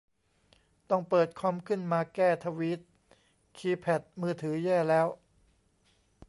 ต้องเปิดคอมขึ้นมาแก้ทวีต คีย์แพดมือถือแย่แล้ว